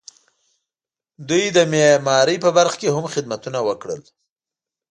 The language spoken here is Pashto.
دوی د معمارۍ په برخه کې هم خدمتونه وکړل.